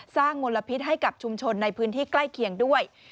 มลพิษให้กับชุมชนในพื้นที่ใกล้เคียงด้วย